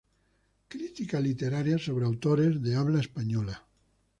Crítica literaria sobre autores de habla española.